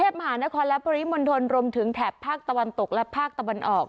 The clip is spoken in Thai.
บริมณฑลรมถึงแถบภาคตะวันตกและภาคตะวันออก